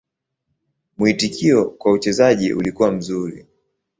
Mwitikio kwa uchezaji ulikuwa mzuri.